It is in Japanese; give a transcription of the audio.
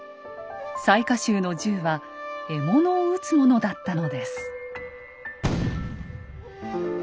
雑賀衆の銃は獲物を撃つものだったのです。